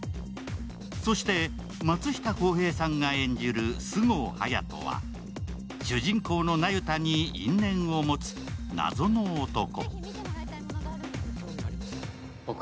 そして、松下洸平さんが演じる菅生隼人は主人公の那由他に因縁を持つ謎の男。